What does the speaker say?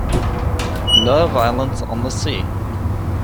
Lot of Islands on the sea.